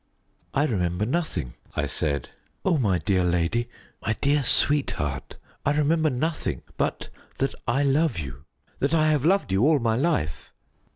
"I remember nothing," I said. "Oh, my dear lady, my dear sweetheart I remember nothing but that I love you that I have loved you all my life."